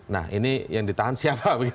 nah ini yang ditahan siapa